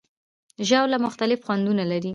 ژاوله مختلف خوندونه لري.